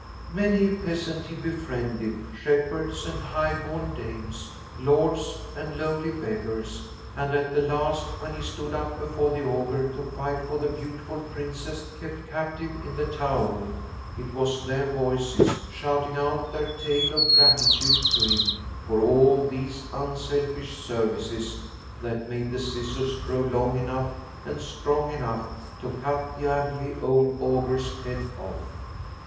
Many a peasant he befriended, shepherds and high born dames, lords and lowly beggars; and at the last, when he stood up before the Ogre to fight for the beautiful princess kept captive in the tower, it was their voices, shouting out their tale of gratitude to him for all these unselfish services, that made the scissors grow long enough and strong enough to cut the ugly old Ogre's head off.